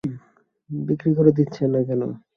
বিক্রি করে দিচ্ছেন না কেন?